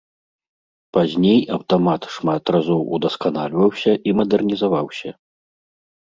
Пазней аўтамат шмат разоў удасканальваўся і мадэрнізаваўся.